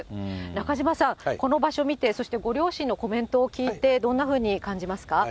中島さん、この場所を見て、そしてご両親のコメントを聞いて、どんなふうに感じますか。